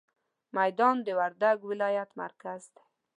ميدان د وردګ ولايت مرکز دی.